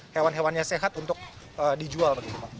hewan hewannya sehat untuk dijual begitu pak